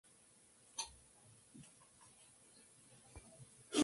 Una lucha feroz por la mejor concha puede ocurrir cuando estas no abundan.